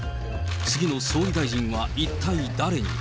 次の総理大臣は一体誰に。